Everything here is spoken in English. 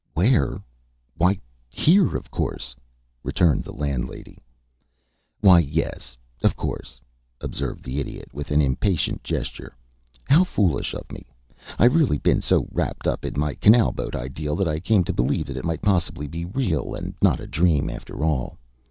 "Where? Why, here, of course," returned the landlady. "Why, yes of course," observed the Idiot, with an impatient gesture. "How foolish of me! I've really been so wrapped up in my canal boat ideal that I came to believe that it might possibly be real and not a dream, after all.